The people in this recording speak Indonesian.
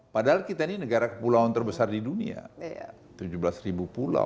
padahal kita ini negara kepulauan terbesar di dunia tujuh belas ribu pulau